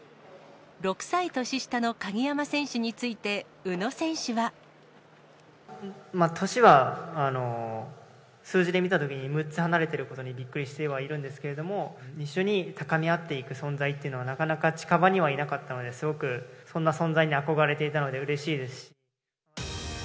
６歳年下の鍵山選手について、宇野選手は。年は数字で見たときに６つ離れていることにびっくりしてはいるんですけれども、一緒に高め合っていく存在というのは、なかなか近場にはいなかったので、すごくそんな存在に憧れていたのでうれしいです。